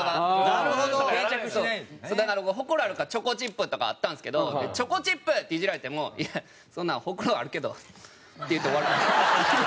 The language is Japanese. ほくろあるから「チョコチップ」とかあったんですけど「チョコチップ！」ってイジられても「いやそんなほくろあるけど」って言って終わるだけ。